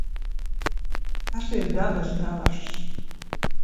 Kas ir dabas dārzs?